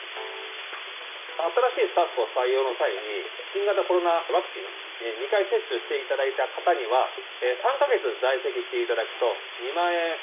新しいスタッフの採用の際に、新型コロナワクチン２回接種していただいた方には、３か月在籍していただくと、２万円。